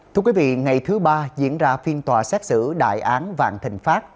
thưa quý vị ngày thứ ba diễn ra phiên tòa xét xử đại án vạn thịnh pháp